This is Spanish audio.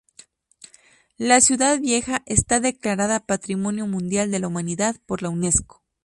La ciudad vieja está declarada Patrimonio Mundial de la Humanidad por la Unesco.